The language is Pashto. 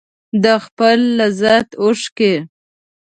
د خپل لذت اوښکې